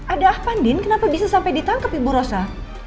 ada apa ndin kenapa bisa sampai ditangkep ibu rosa